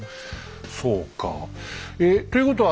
そうかえっということは